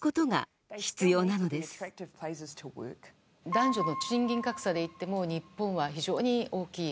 男女の賃金格差で言っても日本は非常に大きい。